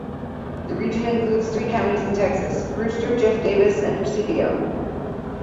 The region includes three counties in Texas: Brewster, Jeff Davis and Presidio.